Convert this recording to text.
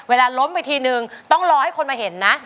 ล้มไปทีนึงต้องรอให้คนมาเห็นนะ